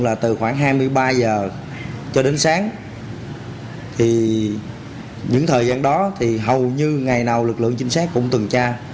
là từ khoảng hai mươi ba h cho đến sáng thì những thời gian đó thì hầu như ngày nào lực lượng trinh sát cũng tuần tra